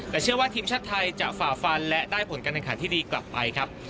แต่เชื่อว่าทีมชาติไทยจะฝ่าฟันและได้ผลการแข่งขันที่ดีกลับไปครับ